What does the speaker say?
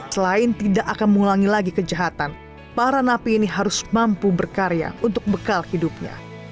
selain tidak akan mengulangi lagi kejahatan para napi ini harus mampu berkarya untuk bekal hidupnya